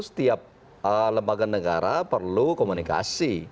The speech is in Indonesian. setiap lembaga negara perlu komunikasi